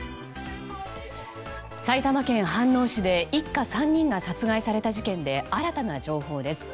埼玉県飯能市で一家３人が殺害された事件で新たな情報です。